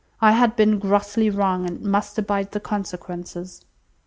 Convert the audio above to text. I had been grossly wrong, and must abide the consequences."